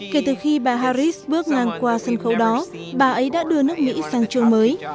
kể từ khi bà harris bước ngang qua sân khấu đó bà ấy đã đưa nước mỹ sang trường mới